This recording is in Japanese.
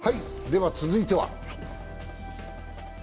では続いては。